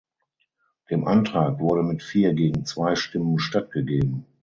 Dem Antrag wurde mit vier gegen zwei Stimmen stattgegeben.